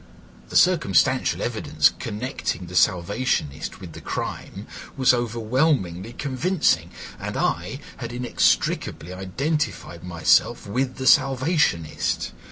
The circumstantial evidence connecting the Salvationist with the crime was overwhelmingly convincing, and I had inextricably identified myself with the Salvationist.